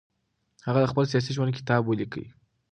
هغه د خپل سیاسي ژوند کتاب ولیکه.